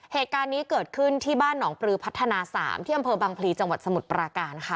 เหตุการณ์นี้เกิดขึ้นที่บ้านหนองปลือพัฒนา๓ที่อำเภอบังพลีจังหวัดสมุทรปราการค่ะ